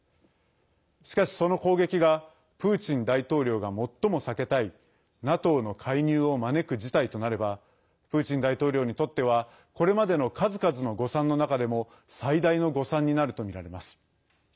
しかし、その攻撃がプーチン大統領が最も避けたいＮＡＴＯの介入を招く事態となればプーチン大統領にとってはこれまでの数々の誤算の中でも最大の誤算になるとみられます。